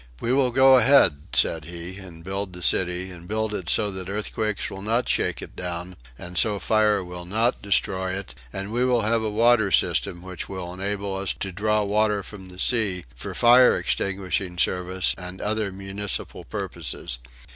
"We will go ahead," said he, "and build the city, and build it so that earthquakes will not shake it down and so fire will not destroy it, and we will have a water system which will enable us to draw water from the sea for fire extinguishing service and other municipal purposes.